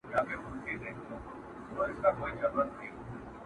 د جهاني د ګل ګېډیو وطن.!